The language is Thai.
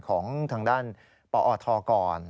ของทางด้านปอทก่อน